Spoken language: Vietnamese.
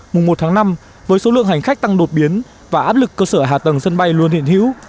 mùng một tháng năm với số lượng hành khách tăng đột biến và áp lực cơ sở hạ tầng sân bay luôn hiện hữu